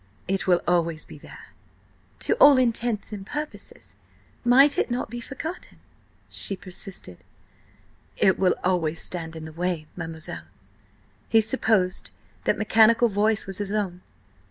It will always be there." "To all intents and purposes, might it not be forgotten?" she persisted. "It will always stand in the way, mademoiselle." He supposed that mechanical voice was his own.